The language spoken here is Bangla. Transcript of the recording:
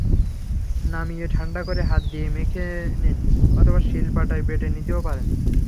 নামিয়ে ঠান্ডা করে হাত দিয়ে মেখে নিন অথবা শিল-পাটায় বেটে নিতেও পারেন।